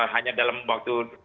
hanya dalam waktu